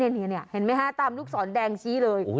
เนี่ยเห็นมั้ยฮะตามลูกศรแด่งชี้เลย